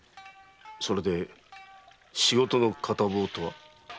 それで仕事の片棒とは？